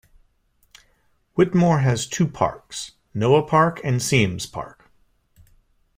Whittemore has two parks: Noah Park and Siems Park.